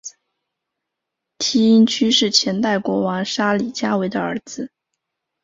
梯因屈是前代国王沙里伽维的儿子。